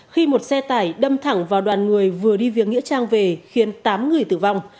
khi một xe tải đâm thẳng vào đoàn người vừa đi viếng nghĩa trang về khiến tám người tử vong